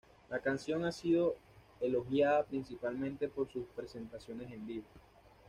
La canción ha sido elogiada principalmente por sus presentaciones en vivo.